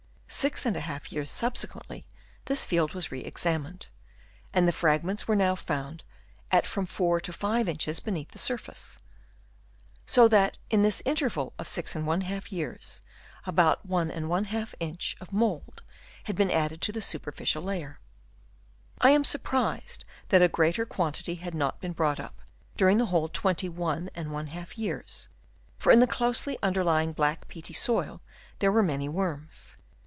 Six and a half years subsequently this field was re examined, and the fragments were now found at from 4 to 5 inches beneath the surface. So that in this interval of 6^ years, about 1^ inch of mould had been added to the superficial layer. I am surprised that a greater quantity had not been brought up during the whole 21^ years, for in the closely underlying black, peaty soil there were many worms.